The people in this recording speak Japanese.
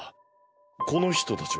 このひとたちは？